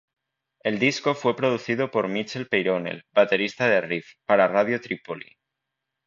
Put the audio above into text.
El disco fue producido por Michel Peyronel, baterista de Riff, para Radio Trípoli.